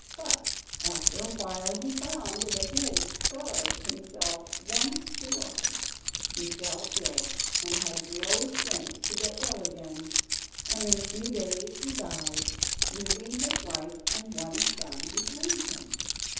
But after a while he found that he had starved himself once too often. He fell ill, and had no strength to get well again, and in a few days he died, leaving his wife and one son behind him.